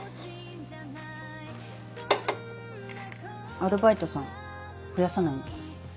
アルバイトさん増やさないの？